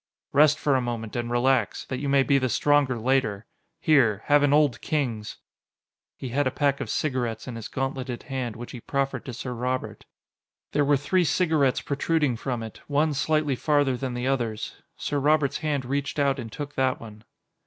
"Rest for a moment and relax, that you may be the stronger later. Here have an Old Kings." He had a pack of cigarettes in his gauntleted hand, which he profferred to Sir Robert. There were three cigarettes protruding from it, one slightly farther than the others. Sir Robert's hand reached out and took that one.